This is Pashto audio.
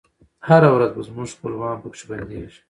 هره ورځ به زموږ خپلوان پکښي بندیږی